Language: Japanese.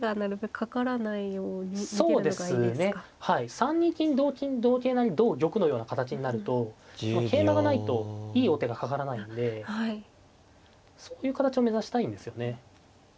３二金同金同桂成同玉のような形になると桂馬がないといい王手がかからないんでそういう形を目指したいんですよね。